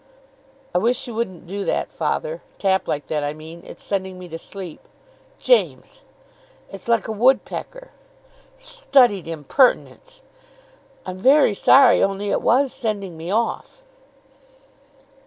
"I wish you wouldn't do that, father. Tap like that, I mean. It's sending me to sleep." "James!" "It's like a woodpecker." "Studied impertinence " "I'm very sorry. Only it was sending me off."